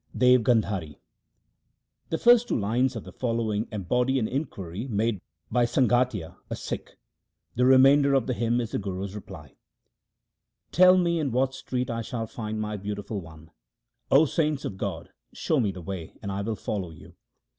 Devgandhari The first two lines of the following embody an inquiry made by Sangatia, a Sikh. The remainder of the hymn is the Guru's reply :— Tell me in what street I shall find my Beautiful One : O saints of God, show me the way, and I will follow you.